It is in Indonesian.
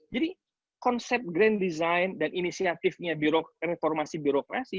jadi konsep grand design dan inisiatifnya reformasi birokrasi itu